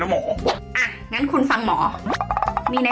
มาพลังกันตลอดเลย